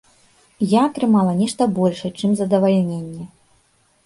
Я атрымала нешта большае, чым задавальненне.